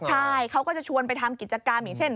ใช่เขาก็จะชวนไปทำกิจกรรมอย่างเช่น